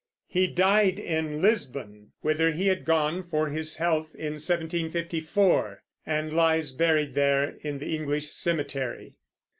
He died in Lisbon, whither he had gone for his health, in 1754, and lies buried there in the English cemetery.